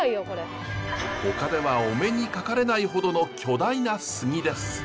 ほかではお目にかかれないほどの巨大な杉です。